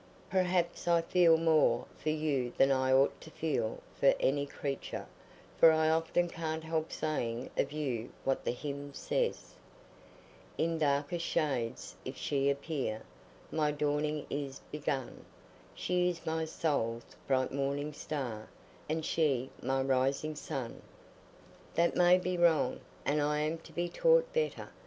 Perhaps I feel more for you than I ought to feel for any creature, for I often can't help saying of you what the hymn says— In darkest shades if she appear, My dawning is begun; She is my soul's bright morning star, And she my rising sun. That may be wrong, and I am to be taught better.